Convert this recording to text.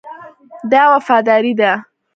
دا وفاداري ده.